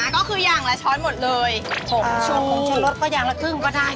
ก็คืออย่างละช้อนหมดเลยส่วนผงชุรสก็อย่างละครึ่งก็ได้